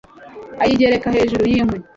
ayigereka hejuru y'inkwi